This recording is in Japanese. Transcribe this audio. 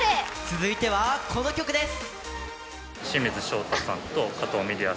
続いてはこの曲です！